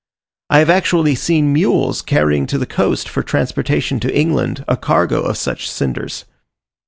I have actually seen mules carrying to the coast, for transportation to England, a cargo of such cinders.